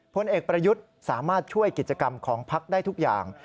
ผลเอกประยุทธ์สามารถช่วยกิจกรรมของพักได้ทุกอย่าง